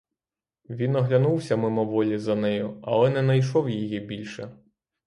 Він оглянувся мимоволі за нею, але не найшов її більше.